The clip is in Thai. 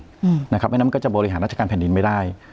เพราะฉะนั้นก็จะบริหารราชการแผ่นดินไม่ได้